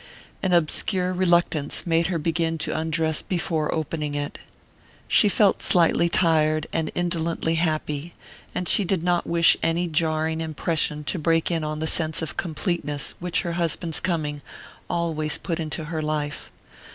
An obscure reluctance made her begin to undress before opening it. She felt slightly tired and indolently happy, and she did not wish any jarring impression to break in on the sense of completeness which her husband's coming always put into her life.